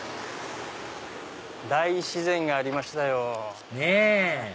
大自然がありましたよ。ねぇ！